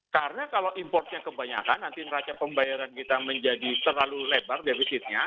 karena kalau importnya kebanyakan nanti raca pembayaran kita menjadi terlalu lebar defisitnya